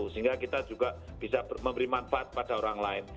sehingga kita juga bisa memberi manfaat pada orang lain